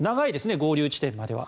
合流地点までは。